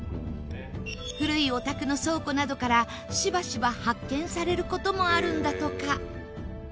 古いお宅の倉庫などからしばしば発見される事もあるんだとか。